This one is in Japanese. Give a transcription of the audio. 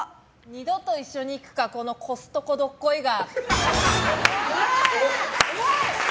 二度と一緒に行くかこのコストコドッコイが。